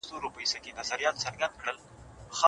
علماء بايد د شومو تصميمونو مخه ونيسي.